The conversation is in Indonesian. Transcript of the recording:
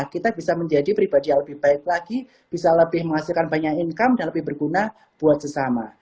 kita bisa menjadi pribadi yang lebih baik lagi bisa lebih menghasilkan banyak income dan lebih berguna buat sesama